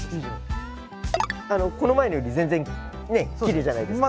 この前のより全然ねきれいじゃないですか。